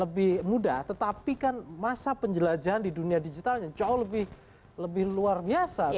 lebih mudah tetapi kan masa penjelajahan di dunia digitalnya jauh lebih luar biasa